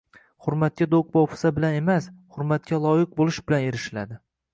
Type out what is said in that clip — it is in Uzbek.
Hurmatga do‘q-po‘pisa bilan emas, hurmatga loyiq bo‘lish bilan erishiladi.